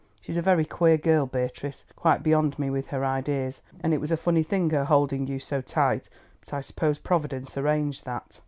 She's a very queer girl, Beatrice, quite beyond me with her ideas, and it was a funny thing her holding you so tight, but I suppose Providence arranged that.